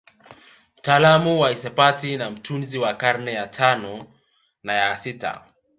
Mtaalamu wa hisabati na mtunzi wa karne ya tano na ya sita